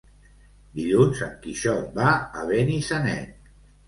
Dilluns en Quixot va a Benissanet.